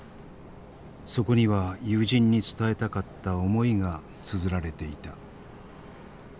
そこには友人に伝えたかった思いがつづられていた。